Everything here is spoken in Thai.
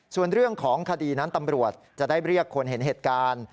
ส่วนเรื่องของคดีนั้นตำรวจจะได้เรียกคนเห็นเหตุการณ์